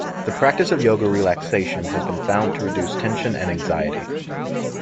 The practice of yoga relaxation has been found to reduce tension and anxiety.